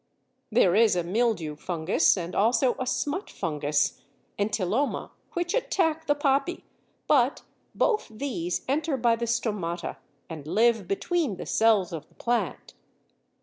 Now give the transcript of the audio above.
There is a mildew fungus and also a smut fungus (Entyloma) which attack the poppy, but both these enter by the stomata and live between the cells of the plant.